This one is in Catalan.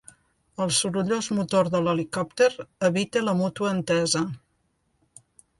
El sorollós motor de l'helicòpter evita la mútua entesa.